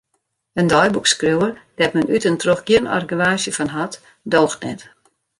In deiboekskriuwer dêr't men út en troch gjin argewaasje fan hat, doocht net.